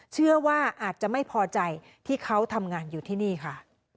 เชื่อว่าอาจจะไม่พอใจที่เขาทำงานอยู่ที่นี่ค่ะ